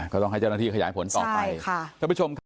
ก็ต้องให้เจ้าหน้าที่ขยายผลต่อไป